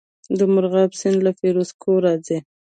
د مرغاب سیند له فیروز کوه راځي